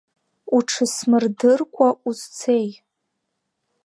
Уҽысмырдыркәа узцеи?